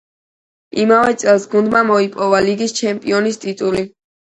იმავე წელს გუნდმა მოიპოვა ლიგის ჩემპიონის ტიტული.